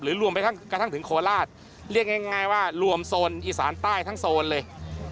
รวมไปทั้งกระทั่งถึงโคราชเรียกง่ายว่ารวมโซนอีสานใต้ทั้งโซนเลย